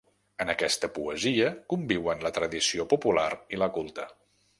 En aquesta poesia conviuen la tradició popular i la culta.